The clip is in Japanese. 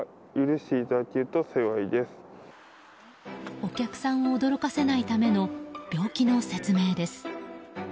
お客さんを驚かせないための病気の説明です。